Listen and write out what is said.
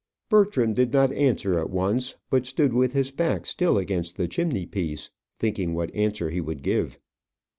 Bertram did not answer at once, but stood with his back still against the chimney piece, thinking what answer he would give.